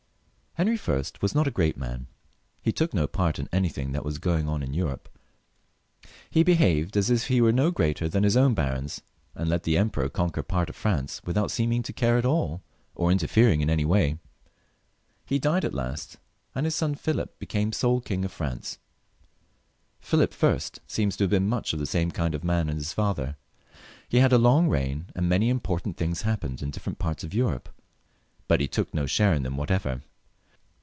64 HENRY L [CH. ^■■■ ■■■■■M l^— ..^■■^■■— ^1 ■ I I MM ■,■■■■ I M ■^^^^—■■■■■ I ^ Henry I. was not a great man ; he took no part in any thing that was going on in Europe ; he behaved as if he were no greater than his own barons, and let the emperor conquer part of France without seeming to care at all, or interfering in any way. He died at last, and his son Philip became sole King of France. Philip I. seems to have been much the same kind of man as his father. He had a long reign, and many im portant things happened in different parts of Europe, but he took no share in them whatever.